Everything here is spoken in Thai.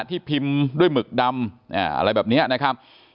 ที่พิมพ์ด้วยหมึกดำอะไรแบบนี้นะครับ